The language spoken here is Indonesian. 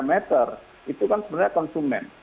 netel itu kan sebenarnya konsumen